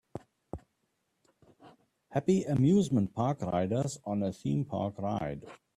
Happy Amusement Park riders on a theme park ride.